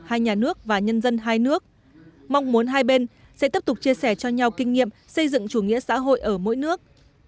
hai nhà nước và nhân dân hai nước mong muốn hai bên sẽ tiếp tục chia sẻ cho nhau kinh nghiệm xây dựng chủ nghĩa xã hội ở mỗi nước